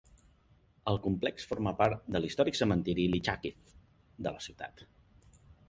El complex forma part de l'històric cementiri Lychakiv de la ciutat.